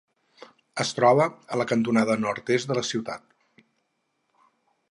Es troba a la cantonada nord-est de la ciutat.